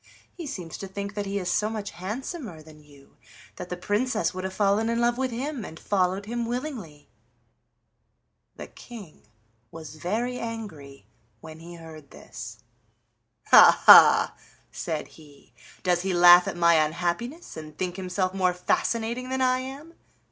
He seems to think that he is so much handsomer than you that the Princess would have fallen in love with him and followed him willingly." The King was very angry when he heard this. "Ha, ha!" said he; "does he laugh at my unhappiness, and think himself more fascinating than I am?